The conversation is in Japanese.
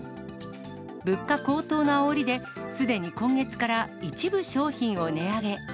物価高騰のあおりで、すでに今月から一部商品を値上げ。